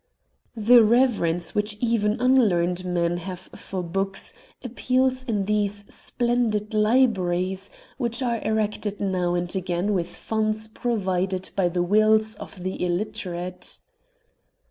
The reverence which even unlearned men have for books appeals in these splendid libraries which are erected now and again with funds provided by the wills of the illiterate.